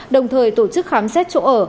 đồng thời tổ chức khám xét chỗ ở